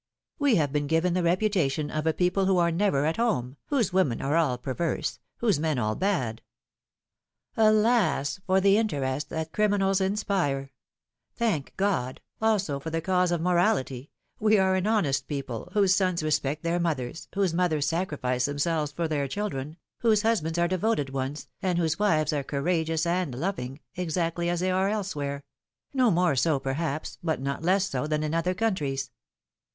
We have been given the reputation of a people who are never at home, whose women are all perverse, whose men all bad. Alas ! for the interest that criminals inspire ! Thank God ! also, for the cause of morality, we are an honest people, whose sons respect their mothers, whose mothers sacrifice themselves for their children, whose husbands are devoted ones, and whose wives are courageous and loving, exactly as they author's preface. 15 are elsewhere; no more so, perhaps, but not less so, than in other countries